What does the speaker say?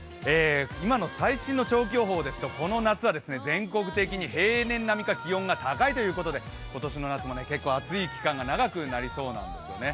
今の最新の長期予報ですとこの夏は全国的に平年並みか気温が高いということで今年の夏も結構熱い期間が長くなりそうです。